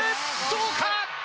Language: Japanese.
どうか。